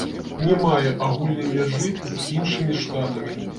Не мае агульнай мяжы з іншымі штатамі.